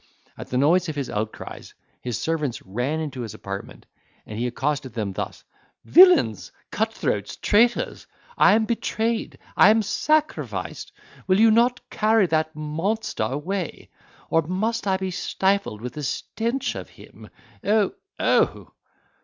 At the noise of his outcries, his servants ran into his apartment, and he accosted them thus: "Villains! cut throats! traitors! I am betrayed! I am sacrificed! Will you not carry that monster away? or must I be stifled with the stench of him? oh, oh!"